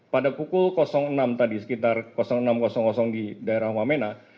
pada pukul enam tadi sekitar enam di daerah wamena